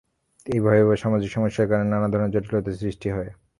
এই ভয়াবহ সামাজিক সমস্যার কারণে নানা ধরনের জটিলতা সৃষ্টি হয়।